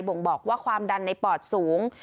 ่งบอกว่าความดันในปอดสูง